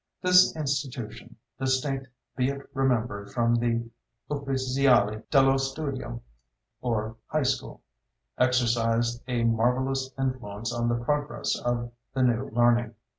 This institution, distinct, be it remembered, from the Uffiziali dello Studio (or high school), exercised a marvellous influence on the progress of the "New Learning."